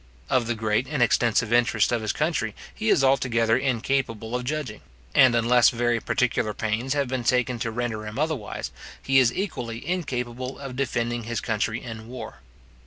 Of the great and extensive interests of his country he is altogether incapable of judging; and unless very particular pains have been taken to render him otherwise, he is equally incapable of defending his country in war.